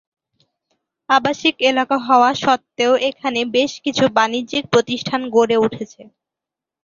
আবাসিক এলাকা হওয়া সত্ত্বেও এখানে বেশকিছু বাণিজ্যিক প্রতিষ্ঠান গড়ে উঠেছে।